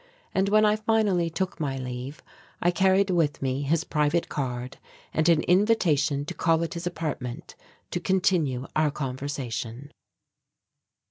And when I finally took my leave I carried with me his private card and an invitation to call at his apartment to continue our conversation.